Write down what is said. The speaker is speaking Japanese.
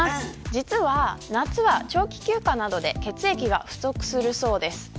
実は夏は長期休暇などで血液が不足するそうです。